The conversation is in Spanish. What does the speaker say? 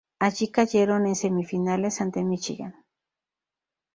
Allí cayeron en semifinales ante Michigan.